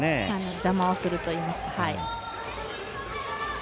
邪魔をするといいますか。